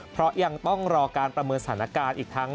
เพราะยังต้องรอการประเมินสถานการณ์อีกทั้ง